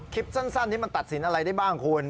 คลิปสั้นนี้มันตัดสินอะไรได้บ้างคุณ